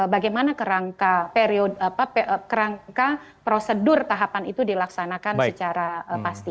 bagaimana kerangka prosedur tahapan itu dilaksanakan secara pasti